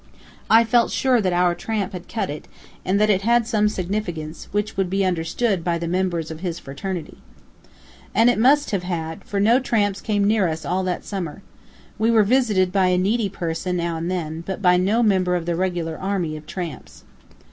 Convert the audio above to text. I felt sure that our tramp had cut it, and that it had some significance, which would be understood by the members of his fraternity. And it must have had, for no tramps came near us all that summer. We were visited by a needy person now and then, but by no member of the regular army of tramps.